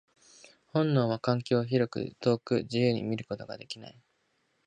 本能は環境を広く、遠く、自由に見ることができない。